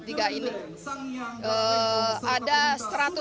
terutama di kota tanggerang